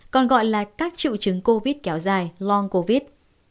còn gọi là các triệu chứng covid kéo dài logo covid